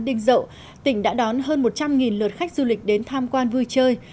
đinh dậu tỉnh đã đón hơn một trăm linh lượt khách du lịch đến tham quan vui chơi